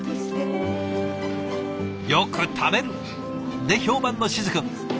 「よく食べる！」で評判の静くん。